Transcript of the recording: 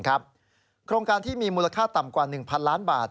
โครงการที่มีมูลค่าต่ำกว่า๑๐๐ล้านบาท